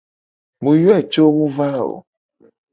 Mu yoe co mu va o.